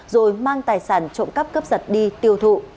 rồi mang tài sản trộm cắp cướp giật đi tiêu thụ